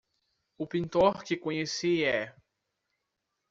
O pintor que conheci é